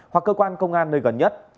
hoặc cơ quan công an nơi gần nhất